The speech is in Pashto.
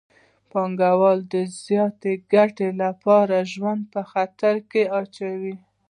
پانګوال د زیاتې ګټې لپاره ژوند په خطر کې اچوي